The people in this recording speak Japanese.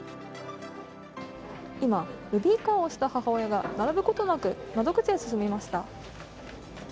今、ベビーカーを押した母親が並ぶことなく窓口へ進みました。